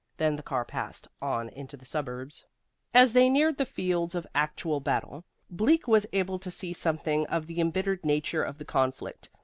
Then the car passed on into the suburbs. As they neared the fields of actual battle, Bleak was able to see something of the embittered nature of the conflict.